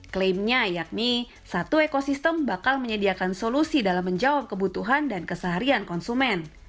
klaimnya yakni satu ekosistem bakal menyediakan solusi dalam menjawab kebutuhan dan keseharian konsumen